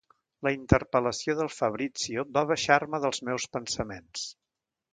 La interpel·lació del Fabrizio va baixar-me dels meus pensaments.